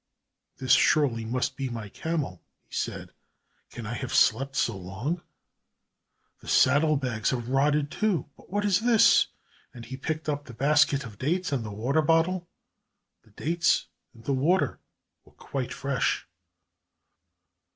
"This surely must be my camel," he said. "Can I have slept so long? The saddle bags have rotted, too. But what is this?" and he picked up the basket of dates and the water bottle. The dates and the water were quite fresh.